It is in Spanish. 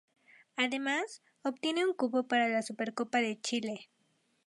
Además, obtiene un cupo para la Supercopa de Chile.